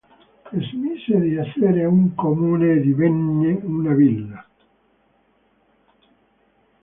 Smise di essere un comune e divenne una Villa.